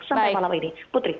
sampai malam ini putri